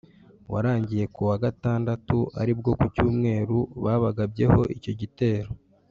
warangiye ku wa gatandatu ari bwo ku cyumweru babagabyeho icyo gitero